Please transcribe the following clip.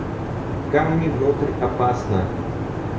Камни внутрь опасно!